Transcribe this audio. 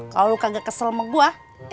kalo lu kagak kesel sama gue